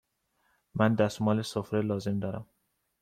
من دستمال سفره لازم دارم.